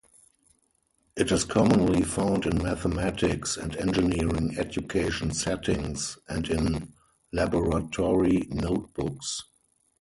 It is commonly found in mathematics and engineering education settings and in laboratory notebooks.